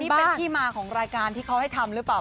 นี่เป็นที่มาของรายการที่เขาให้ทำหรือเปล่า